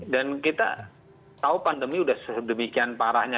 dan kita tahu pandemi sudah demikian parahnya